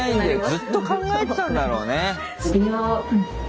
ずっと考えてたんだろうね。